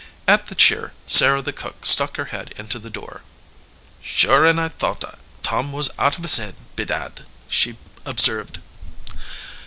At the cheer, Sarah the cook stuck her head into the door. "Sure an' I thought Tom was out of his head, bedad," she observed.